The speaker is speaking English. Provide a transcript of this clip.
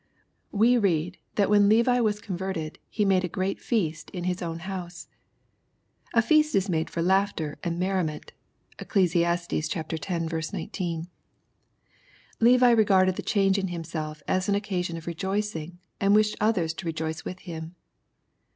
We read, that when Levi was converted, he made a " great feast in his own house." A feast is made for laughter and merriment. (Eccles. X. 19.) Levi regarded the change in himself as an occasion of rejoicing, and wished others to rejoice with him.